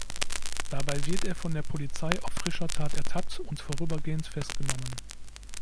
Dabei wird er von der Polizei auf frischer Tat ertappt und vorübergehend festgenommen.